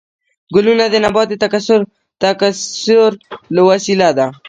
ګلونه د نبات د تکثیر وسیله ده